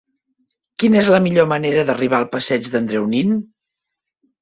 Quina és la millor manera d'arribar al passeig d'Andreu Nin?